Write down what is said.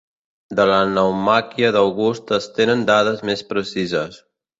De la naumàquia d'August es tenen dades més precises.